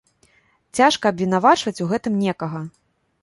Цяжка абвінавачваць у гэтым некага.